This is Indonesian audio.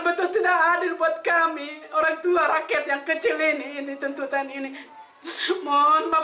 bagi diberikan inan yang seandainya dihanyam